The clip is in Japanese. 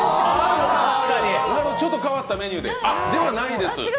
ちょっと変わったメニューで？ではないです。